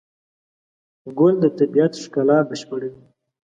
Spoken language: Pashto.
ګل د طبیعت ښکلا بشپړوي.